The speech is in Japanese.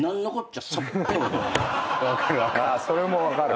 それも分かる。